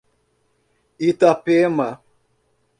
Itapema